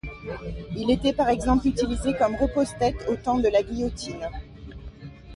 Il était par exemple utilisé comme repose-tête au temps de la guillotine.